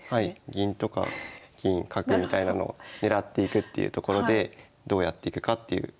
銀とか金角みたいなのを狙っていくっていうところでどうやっていくかっていうところなんですけど。